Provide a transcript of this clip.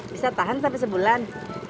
bisa tahan sampai sebulan